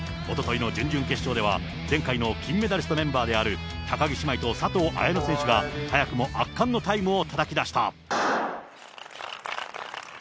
おとといの準々決勝では、前回の金メダリストメンバーである高木姉妹と、佐藤彩乃選手が早くも圧巻のタイムをたたき出した。